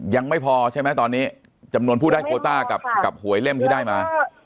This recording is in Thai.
ยังไม่พอใช่ไหมตอนนี้จำนวนผู้ได้โคต้ากับหวยเล่มที่ได้มา